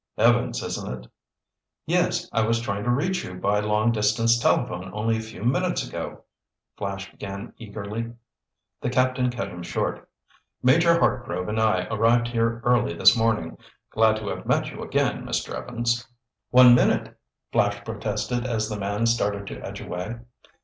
"Evans, isn't it?" "Yes, I was trying to reach you by long distance telephone only a few minutes ago," Flash began eagerly. The Captain cut him short. "Major Hartgrove and I arrived here early this morning. Glad to have met you again, Mr. Evans." "One minute," Flash protested as the man started to edge away.